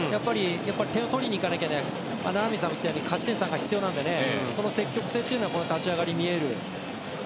点を取りにいかなきゃということで名波さんが言ったように勝ち点３が必要なのでその積極性がこの立ち上がり見える。